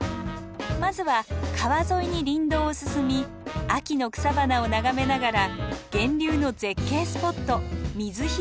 まずは川沿いに林道を進み秋の草花を眺めながら源流の絶景スポット「ミズヒ大滝」へ。